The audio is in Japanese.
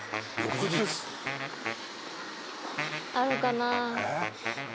あるかなぁ。